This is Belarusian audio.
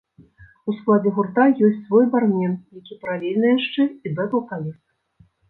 У складзе гурта ёсць свой бармен, які паралельна яшчэ і бэк-вакаліст!